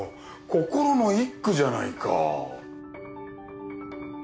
心の一句じゃないか。